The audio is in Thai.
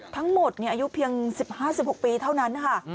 ทั้งหมดอายุเพียง๑๕๑๖ปีเท่านั้นนะคะ